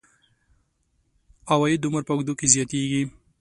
عواید د عمر په اوږدو کې زیاتیږي.